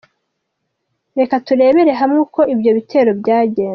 Reka turebere hamwe uko ibyo bitero byagenze :.